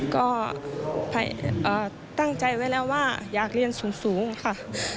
ก็ตั้งใจไว้แล้วว่าอยากเรียนสูงค่ะ